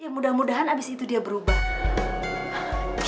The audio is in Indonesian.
ya mudah mudahan abis itu dia berubah